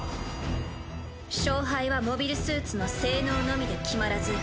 勝敗はモビルスーツの性能のみで決まらず。